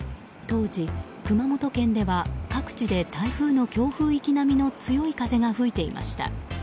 当時、熊本県では各地で台風の強風域並みの強い風が吹いていました。